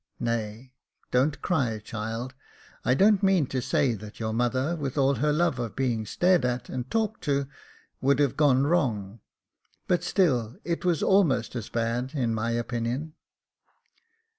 Nay, don't cry, child, I don't mean to say that your mother, with all her love of being stared at and talked to, would have gone wrong ; but still it was almost as bad in my opinion.